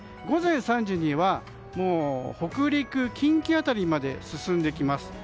午前３時にはもう北陸、近畿辺りまで進んできます。